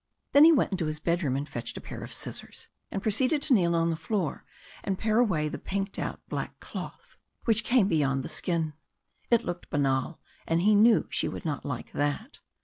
Then he went into his bedroom and fetched a pair of scissors, and proceeded to kneel on the floor and pare away the pinked out black cloth which came beyond the skin. It looked banal, and he knew she would not like that.